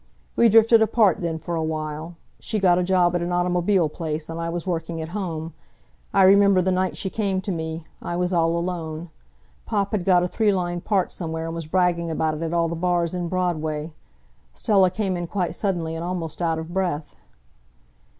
We drifted apart then for a while. She got a job at an automobile place, and I was working at home. I remember the night she came to me I was all alone. Pop had got a three line part somewhere and was bragging about it at all the bars in Broadway. Stella came in quite suddenly and almost out of breath.